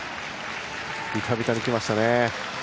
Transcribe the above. ビタビタにきましたね。